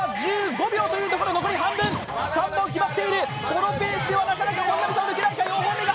このペースではなかなか本並さんは抜けないか。